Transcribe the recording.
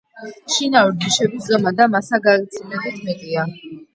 შინაური ჯიშების ზომა და მასა გაცილებით მეტია.